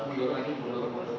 mundur lagi mundur mundur